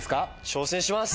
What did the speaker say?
挑戦します！